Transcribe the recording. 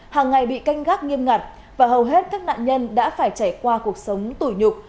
hàng ngày bị canh gác nghiêm ngặt và hầu hết các nạn nhân đã phải trải qua cuộc sống tù nhục